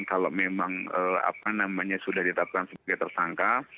kalau memang sudah ditetapkan sebagai tersangka